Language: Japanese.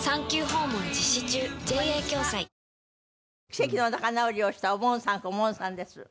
奇跡の仲直りをしたおぼんさんこぼんさんです。